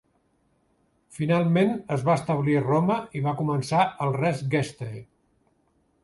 Finalment es va establir a Roma i va començar el "Res Gestae".